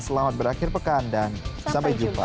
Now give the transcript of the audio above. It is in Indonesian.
selamat berakhir pekan dan sampai jumpa